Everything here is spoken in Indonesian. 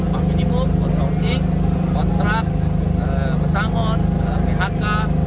paham minimum konsourcing kontrak mesangon phk